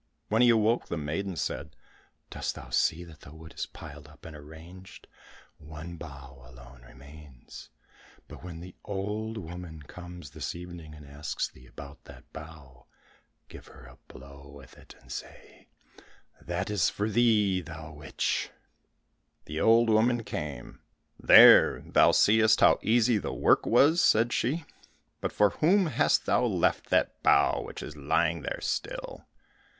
When he awoke, the maiden said, "Dost thou see that the wood is piled up and arranged, one bough alone remains; but when the old woman comes this evening and asks thee about that bough, give her a blow with it, and say, 'That is for thee, thou witch.'" The old woman came, "There thou seest how easy the work was!" said she; "but for whom hast thou left that bough which is lying there still?"